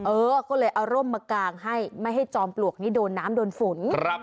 เอาเลยอร่มตรงมากามให้ไม่ให้จอมปลวกินี่โดนน้ำโดนฝุ่น